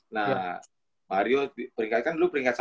nah mario peringkat kan dulu peringkat